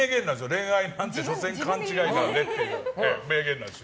恋愛なんてしょせん勘違いなんでっていう名言なんです。